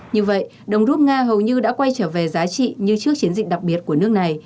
như vậy đồng rút nga hầu như đã quay trở về giá trị như trước chiến dịch đặc biệt của nước này